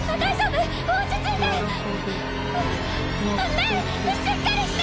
ねえしっかりして！